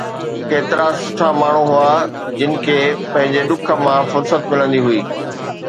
ڪيترا سٺا ماڻهو هئا جن کي پنهنجي ڏک مان فرصت ملندي هئي